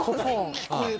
聞こえる？